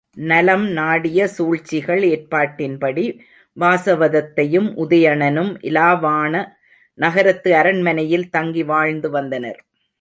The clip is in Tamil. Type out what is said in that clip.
நலம் நாடிய சூழ்ச்சிகள் ஏற்பாட்டின்படி வாசவதத்தையும் உதயணனும் இலாவாண நகரத்து அரண்மனையில் தங்கி வாழ்ந்து வந்தனர்.